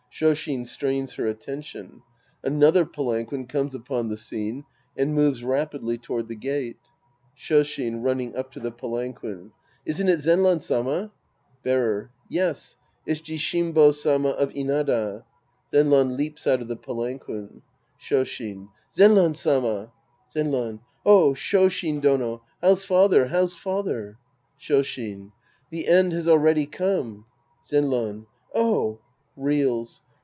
{Shoshin strains her attention. Another palanquin Sc. Ill The Priest and His Disciples 237 comes upon the scene and moves rapidly toward the gate ^ Shoshin (running up to the palanquin).. Isn't it Zenran Sama ? Bearer. Yes. It's Jishimbo Sama of Inada. (Zenran leaps out of the palanquin^ Shoshin. Zenran Sama ! Zenran. Oh, Shoshin Dono ! How's father ? How's fatlier ? Shoshin. The end has already come. Zenran. Oh ! {Reels.)